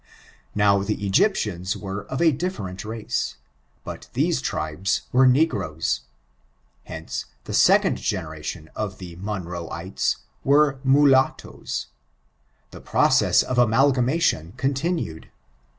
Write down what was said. Now the Egyptians were of a difierent race, but these tribes were negroes. Hence, the second generation of the Moaioeitas were mulattoes. The process of amalgamation continued.